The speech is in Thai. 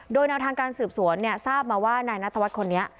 โดยแนวทางการสืบสวนเนี่ยทราบมาว่านายนัตรวจคนนี้